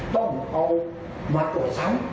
ต้องเอามาตรวจซ้ำ